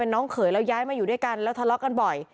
น้องเขยแล้วย้ายมาอยู่ด้วยกันแล้วทะเลาะกันบ่อย